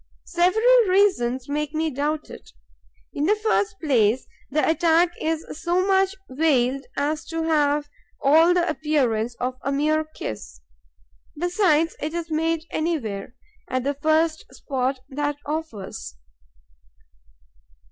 Several reasons make me doubt it. In the first place, the attack is so much veiled as to have all the appearance of a mere kiss. Besides, it is made anywhere, at the first spot that offers.